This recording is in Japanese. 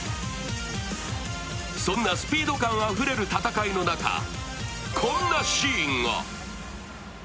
そんなスピード感あふれる戦いの中、こんなシーンが。